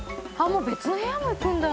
もう別の部屋も行くんだ。